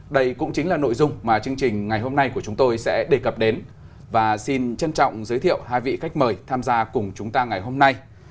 đây cũng chính là nội dung mà chương trình ngày hôm nay của chúng tôi sẽ đề cập đến và xin trân trọng giới thiệu hai vị khách mời tham gia cùng chúng ta ngày hôm nay